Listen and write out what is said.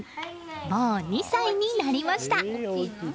もう２歳になりました。